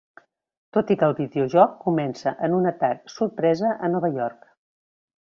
Tot i que el videojoc comença en un atac sorpresa a Nova York.